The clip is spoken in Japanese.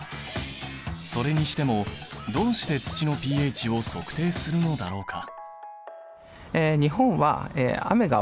それにしてもどうして土のｐＨを測定するのだろうか？